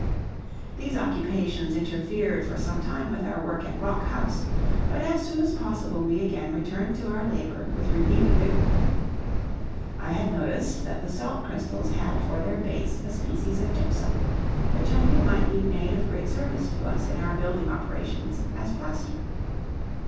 These occupations interfered for some time with our work at Rock House; but as soon as possible we again returned to our labor with renewed vigor. I had noticed that the salt crystals had for their base a species of gypsum, which I knew might be made of great service to us in our building operations as plaster.